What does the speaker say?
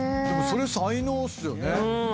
でもそれ才能っすよね。